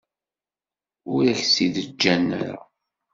Ur ak-tt-id-ǧǧan ara.